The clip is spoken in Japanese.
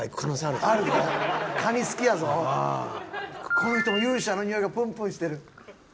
この人も勇者のにおいがぷんぷんしてる。